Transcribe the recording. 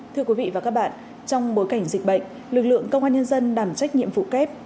thưa quý vị và các bạn trong bối cảnh dịch bệnh lực lượng công an nhân dân đảm trách nhiệm vụ kép